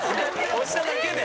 押しただけで。